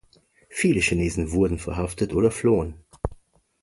Viele Chinesen wurden verhaftet oder flohen.